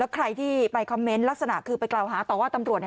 ใครที่ไปคอมเมนต์ลักษณะคือไปกล่าวหาต่อว่าตำรวจ